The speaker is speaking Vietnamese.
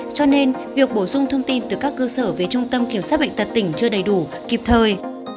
cho nên việc bổ sung thông tin từ các cơ sở về trung tâm kiểm soát bệnh tật tỉnh chưa đầy đủ kịp thời